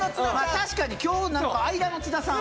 確かに今日なんか間の津田さん